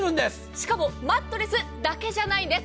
しかもマットレスだけじゃないんです。